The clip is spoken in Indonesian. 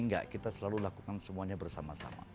enggak kita selalu lakukan semuanya bersama sama